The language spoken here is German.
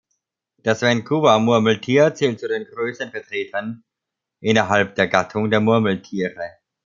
Das Vancouver-Murmeltier zählt zu den größten Vertretern innerhalb der Gattung der Murmeltiere.